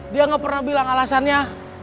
dia gak pernah bilang alasannya